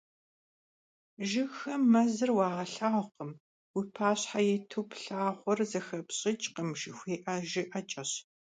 "Жыгхэм мэзыр уагъэлъагъукъым" — уи пащхьэ иту плъагъур зэхэпщӀыкӀкъым жыхуиӀэ жыӀэкӀэщ.